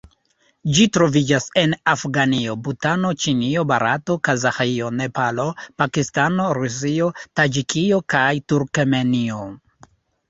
Ĝi troviĝas en Afganio, Butano, Ĉinio, Barato, Kazaĥio, Nepalo, Pakistano, Rusio, Taĝikio kaj Turkmenio.